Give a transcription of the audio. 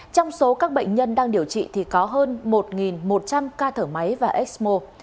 trong số các bệnh nhân đang điều trị thì có hơn một một trăm linh ca thở máy và ecmo